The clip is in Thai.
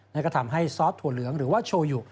นั่นก็ทำให้ซอสถั่วเหลืองหรือว่าโชยุ